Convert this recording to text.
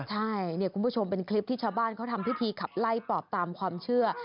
ใช่เนี่ยคุณผู้ชมเป็นคลิปที่ชาวบ้านเขาทำพิธีขับไล่ปอบตามความเชื่อ